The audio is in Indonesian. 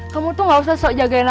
kamu tuh gak usah sok jagain